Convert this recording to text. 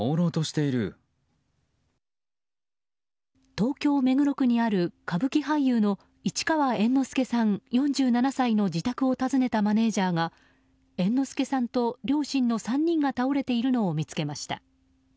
東京・目黒区にある歌舞伎俳優の市川猿之助さん、４７歳の自宅を訪ねたマネジャーが猿之助さんと両親の３人が倒れているのを見つけました。